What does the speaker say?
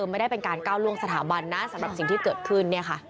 ไม่ได้เป็นการก้าวล่วงสถาบันนะสำหรับสิ่งที่เกิดขึ้น